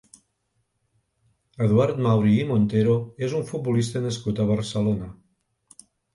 Eduard Mauri i Montero és un futbolista nascut a Barcelona.